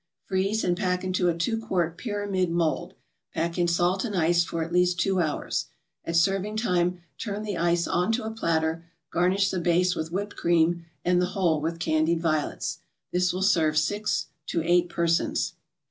Freeze, and pack into a two quart pyramid mold; pack in salt and ice for at least two hours. At serving time, turn the ice on to a platter, garnish the base with whipped cream, and the whole with candied violets. This will serve six to eight persons.